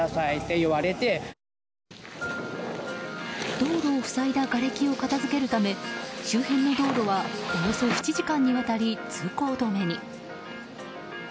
道路を塞いだがれきを片づけるため周辺の道路はおよそ７時間にわたり通行止めに。